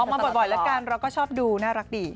มาบ่อยแล้วกันเราก็ชอบดูน่ารักดี